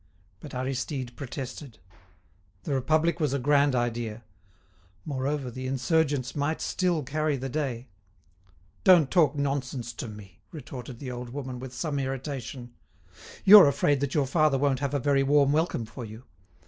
But Aristide protested. The Republic was a grand idea. Moreover, the insurgents might still carry the day. "Don't talk nonsense to me!" retorted the old woman, with some irritation. "You're afraid that your father won't have a very warm welcome for you.